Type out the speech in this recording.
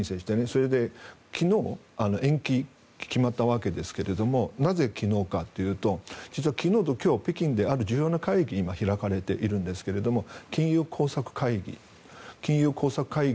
それで、昨日延期が決まったわけですがなぜ、昨日かというと実は昨日と今日北京である重要な会議が今、開かれているんですが金融工作会議。